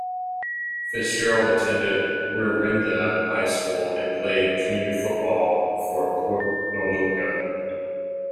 Fitzgerald attended Wirreanda High School and played junior football for Port Noarlunga.